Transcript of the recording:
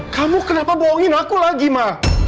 kamu kenapa bohongin aku lagi ma